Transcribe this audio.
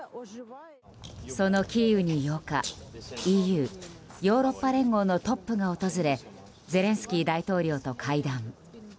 そのキーウに８日ＥＵ・ヨーロッパ連合のトップが訪れゼレンスキー大統領と会談。